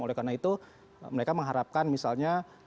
oleh karena itu mereka mengharapkan misalnya